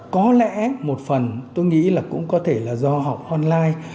có lẽ một phần tôi nghĩ là cũng có thể là do học online